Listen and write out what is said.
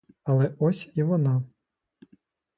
Але ось і вона.